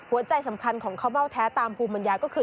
หัวใจสำคัญของข้าวเบ้าแท้ตามภูมิปัญญาก็คือ